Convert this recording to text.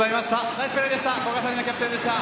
ナイスプレーでした。